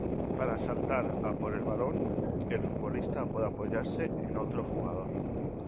Para saltar a por el balón, el futbolista puede apoyarse en otro jugador.